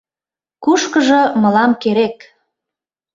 Кушкыжо мылам керек.